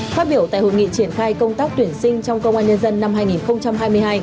phát biểu tại hội nghị triển khai công tác tuyển sinh trong công an nhân dân năm hai nghìn hai mươi hai